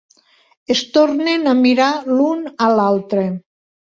Es tornen a mirar l'un a l'altre.